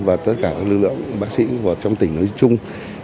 và tất cả các lực lượng bác sĩ trong tỉnh nói chung